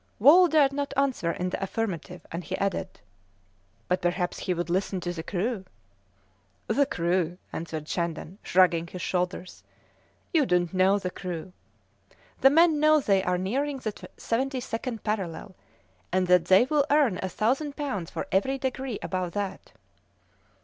Wall dared not answer in the affirmative, and he added "But perhaps he would listen to the crew." "The crew!" answered Shandon, shrugging his shoulders; "you don't know the crew. The men know they are nearing the 72nd parallel, and that they will earn a thousand pounds for every degree above that."